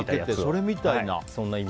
それみたいな。